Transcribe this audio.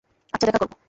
আচ্ছা দেখা করব।